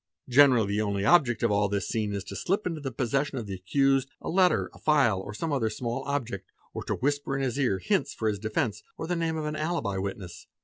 Generally the only object of all this scene is to slip into the possession of the accused, a letter, a file, or some other small object, or to whisper in his ear hints for his defence or the name of an alibi witness.